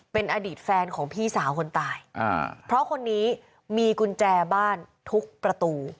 เป็นอดีตแฟนของพี่สาวคนตายอ่าเพราะคนนี้มีกุญแจบ้านทุกประตู